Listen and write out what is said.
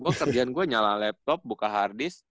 kerjaan gue nyala laptop buka harddisk